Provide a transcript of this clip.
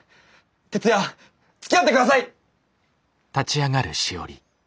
徹夜つきあって下さい！